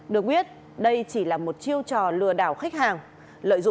được biết đây chỉ là một chiêu trò lừa đảo khách hàng